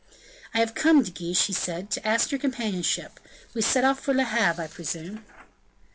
"I have come, De Guiche," he said, "to ask your companionship. We set off for Le Havre, I presume."